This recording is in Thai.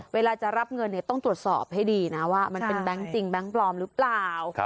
เวลาจะรับเงินต้องตรวจสอบให้ดีนะว่ามันเป็นแบงค์จริงแบงค์ปลอมหรือเปล่า